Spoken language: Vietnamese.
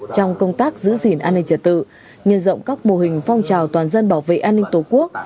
trong công tác giữ gìn an ninh trật tự nhân rộng các mô hình phong trào toàn dân bảo vệ an ninh tổ quốc